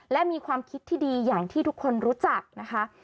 และมีความคิดที่ดีอย่างที่ทุกคนรู้จักนะคะ